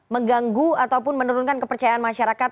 mengganggu ataupun menurunkan kepercayaan masyarakat